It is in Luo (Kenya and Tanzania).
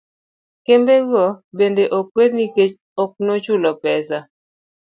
Kambe go bende okwed nikech oknochulo pesa